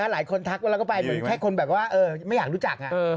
นะฮะหลายคนทักบอลล่ะก็ไปเหมือนแค่คนแบบว่าไม่อยากรู้จักอะ